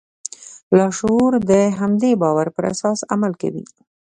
لاشعور د همدې باور پر اساس عمل کوي